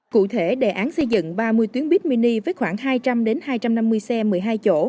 cụ thể đề án xây dựng ba mươi tuyến buýt mini với khoảng hai trăm linh hai trăm năm mươi xe một mươi hai chỗ